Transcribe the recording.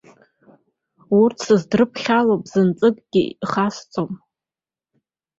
Урҭ сыздырԥхьало бзанҵыкгьы ихасҵом.